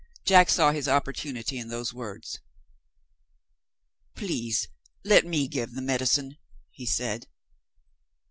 Jack saw his opportunity in those words. "Please let me give the medicine," he said.